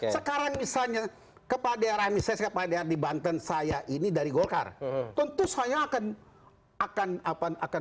sekarang misalnya kepada rami saya pada di banten saya ini dari gokar tentu saya akan akan apa akan